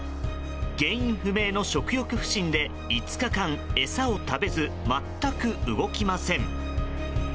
原因不明の食欲不振で５日間餌を食べず、全く動きません。